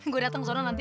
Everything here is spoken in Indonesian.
gue dateng ke sana nanti